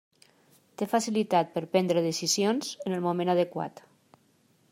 Té facilitat per prendre decisions en el moment adequat.